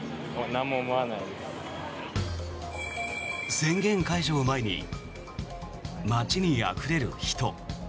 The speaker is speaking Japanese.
宣言解除を前に街にあふれる人。